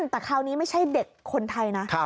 แต่คราวนี้ไม่ใช่เด็กคนไทยนะ